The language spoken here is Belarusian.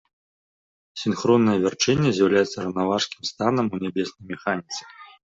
Сінхроннае вярчэнне з'яўляецца раўнаважкім станам у нябеснай механіцы.